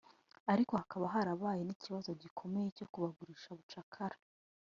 ariko hakaba haragaragaye n’ikibazo gikomeye cyo kubagurisha bucakara